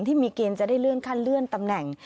ที่มีเกณฑ์จะได้เลื่อนขั้นเลื่อนตำแหน่ง